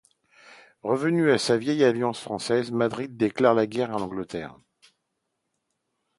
Revenue à sa vieille alliance française, Madrid déclare la guerre à l'Angleterre.